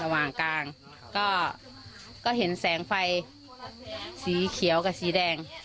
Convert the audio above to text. ระหว่างกลางก็ก็เห็นแสงไฟสีเขียวกับสีแดง